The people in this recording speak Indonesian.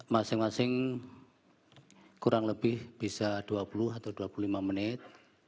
masing masing kurang lebih bisa dua puluh atau dua puluh lima menit